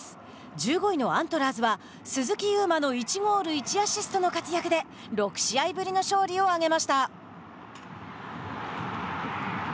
１５位のアントラーズは鈴木優磨の１ゴール１アシストの活躍で６試合ぶりの勝利を挙げました。